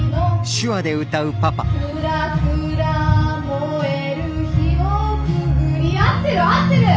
「くらくら燃える火をくぐり」合ってる合ってる！